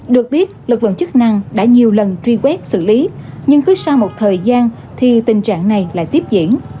được biết lực lượng chức năng đã nhiều lần truy quét xử lý nhưng cứ sau một thời gian thì tình trạng này lại tiếp diễn